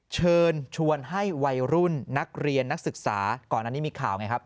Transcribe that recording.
เชิญชวนให้วัยรุ่นนักเรียนนักศึกษาก่อนอันนี้มีข่าวไงครับ